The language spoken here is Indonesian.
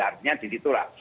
artinya di ditolak